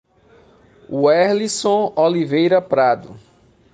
Werlison Oliveira Prado